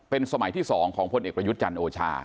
เป็นสมัยที่๒ของพลเอกประยุทธ์จันทร์โอชา